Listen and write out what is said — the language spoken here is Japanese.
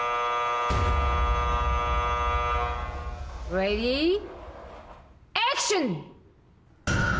レディーアクション！